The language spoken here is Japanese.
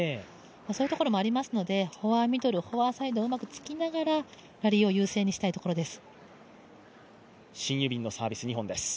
そういうところもありますのでフォアミドル、フォアサイドをうまくつきながら、ラリーを優勢にしたいところです。